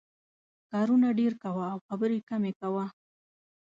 کارونه ډېر کوه او خبرې کمې کوه.